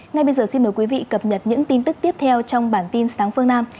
ngay bây giờ xin mời quý vị cập nhật những tin tức tiếp theo trong bản tin sáng phương nam